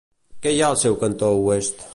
Què hi ha al seu cantó oest?